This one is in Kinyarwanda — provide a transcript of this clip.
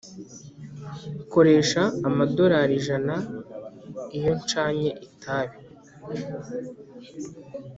koresha amadolari ijana iyo ncanye itabi